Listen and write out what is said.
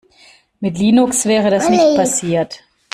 Mit Linux wäre das nicht passiert!